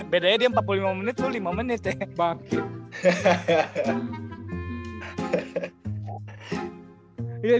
bedanya dia empat puluh lima menit lu lima menit deh